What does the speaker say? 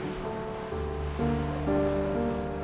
aduh kebentur lagi